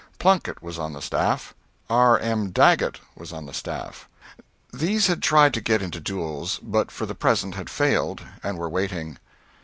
Plunkett was on the staff; R. M. Daggett was on the staff. These had tried to get into duels, but for the present had failed, and were waiting.